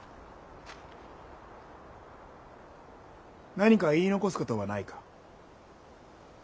何か言い残すことはないか。